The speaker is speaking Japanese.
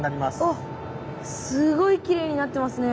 あっすごいきれいになってますね。